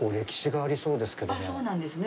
ああ、そうなんですね。